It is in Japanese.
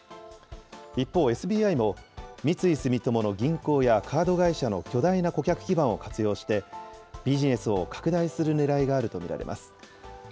一方、ＳＢＩも、三井住友の銀行やカード会社の巨大な顧客基盤を活用して、ビジネスを拡大するねらいがあると見られます。